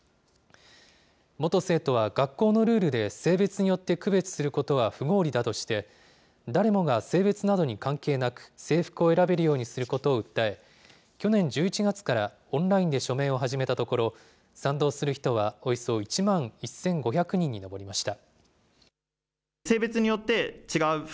元生徒は、学校のルールで性別によって区別することは不合理だとして、誰もが性別などに関係なく制服を選べるようにすることを訴え、去年１１月から、オンラインで署名を始めたところ、賛同する人はおよそ１万１５００人に上りました。